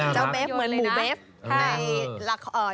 ตัวมันเล็กน่ารักเจ้าเบฟเหมือนหมูเบฟ